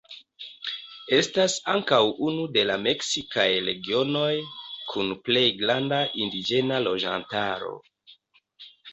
Estas ankaŭ unu de la meksikaj regionoj kun plej granda indiĝena loĝantaro.